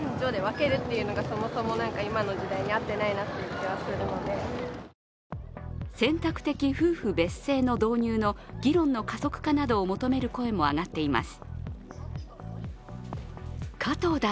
街の人からは選択的夫婦別姓の導入の議論の加速化などを求める声も上がっています。